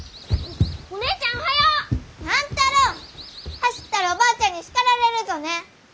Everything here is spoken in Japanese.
走ったらおばあちゃんに叱られるぞね！